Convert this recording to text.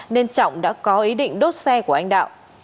nên trọng đã có ý định đốt xe của anh đạo